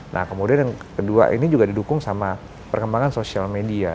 nah kemudian yang kedua ini juga didukung sama perkembangan sosial media